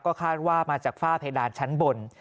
คาดว่ามาจากฝ้าเพดานชั้นบน